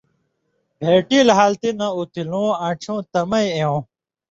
بھېٹیلیۡ حالتی نہ اُتھیۡلُوں آنڇھیُوں تَمئ اېوں